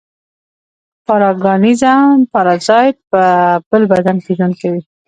پارګانېزم پارازیت په بل بدن کې ژوند کوي.